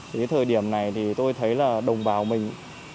thì cái thời điểm này thì tôi thấy là đồng bào mình